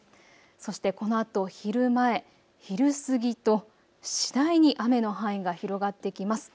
そして、このあと昼前、昼過ぎと次第に雨の範囲が広がってきます。